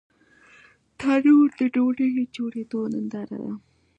تنور د ډوډۍ جوړېدو ننداره ده